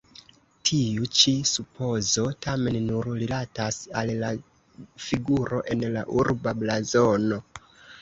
Tiu ĉi supozo tamen nur rilatas al la figuro en la urba blazono.